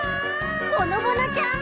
ぼのぼのちゃん！？